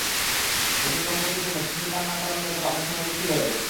নতুন দম্পতির জন্য শিশুর কান্নার কারণ বের করা অনেক সময় মুশকিল হয়ে পড়ে।